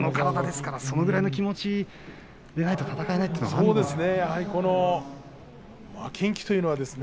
この体ですからそれぐらいの気持ちがないと戦えないというそうですね。